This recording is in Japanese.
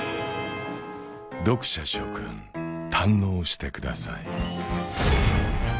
読者諸君堪能してください